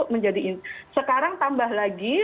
menjadi sekarang tambah lagi